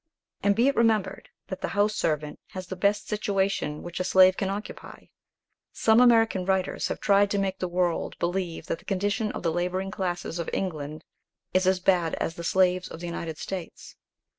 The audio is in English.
And be it remembered, that the house servant has the best situation which a slave can occupy. Some American writers have tried to make the world believe that the condition of the labouring classes of England is as bad as the slaves of the United States.